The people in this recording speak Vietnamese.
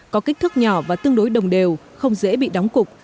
có kích thước nhỏ và tương đối đồng đều không dễ bị đóng cục